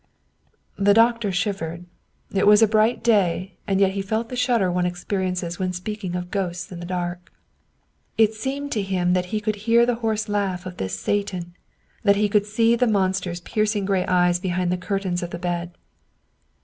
The doctor shivered. It was a bright day, and yet he felt the shudder one experiences when speaking of ghosts in the dark. It seemed to him that he could hear the hoarse laugh of this Satan, that he could see the monster's piercing gray eyes behind the curtains of the bed.